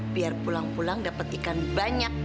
biar pulang pulang dapat ikan banyak